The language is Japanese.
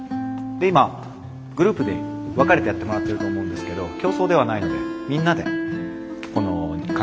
で今グループで分かれてやってもらってると思うんですけど競争ではないのでみんなでこの環境を再生していきましょう。